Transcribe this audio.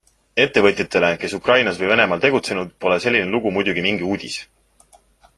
Ettevõtjatele, kes Ukrainas või Venemaal tegutsenud, pole selline lugu muidugi mingi uudis.